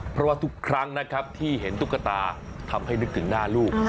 เพราะว่าทุกครั้งนะครับที่เห็นตุ๊กตาทำให้นึกถึงหน้าลูก